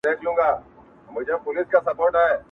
دعا کوي خاموشه-